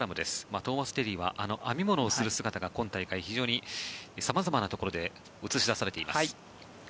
トーマス・デーリーはあの編み物をする姿が今大会では非常に様々なところで映し出されています。